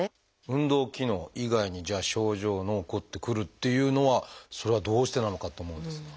運動機能以外にじゃあ症状の起こってくるっていうのはそれはどうしてなのかと思うんですが。